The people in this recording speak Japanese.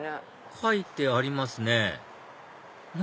書いてありますね何？